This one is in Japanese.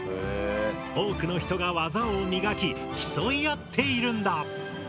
多くの人が技を磨き競い合っているんだ。